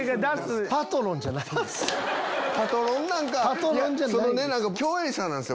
パトロンなんか⁉共演者なんすよ